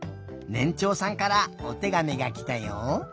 ねんちょうさんからおてがみがきたよ。